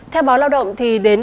theo báo lao động thì đến